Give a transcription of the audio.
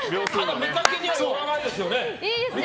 見かけにはよらないですね。